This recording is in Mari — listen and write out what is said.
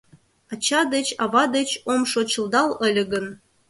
Ача деч, ава деч ом шочылдал ыле гын